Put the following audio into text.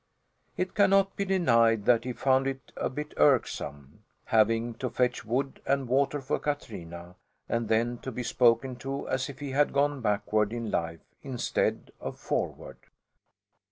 It cannot be denied that he found it a bit irksome having to fetch wood and water for Katrina and then to be spoken to as if he had gone backward in life instead of forward.